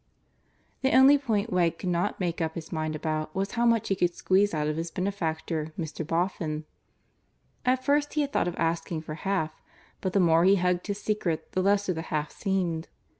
The only point Wegg could not make up his mind about was how much he could squeeze out of his benefactor, Mr. Boffin. At first he had thought of asking for half, but the more he hugged his secret the lesser the half seemed.